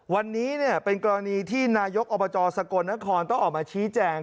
วันนี้เป็นกรณีที่นายกอบจสกลนครต้องออกมาชี้แจง